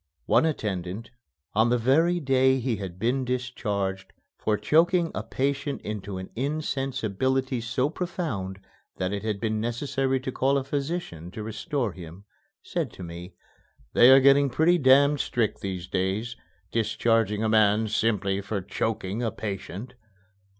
One attendant, on the very day he had been discharged for choking a patient into an insensibility so profound that it had been necessary to call a physician to restore him, said to me, "They are getting pretty damned strict these days, discharging a man simply for choking a patient."